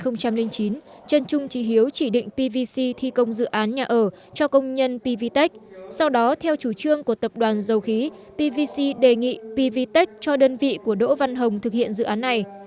năm hai nghìn chín trần trung trí hiếu chỉ định pvc thi công dự án nhà ở cho công nhân pvtec sau đó theo chủ trương của tập đoàn dầu khí pvc đề nghị pvtec cho đơn vị của đỗ văn hồng thực hiện dự án này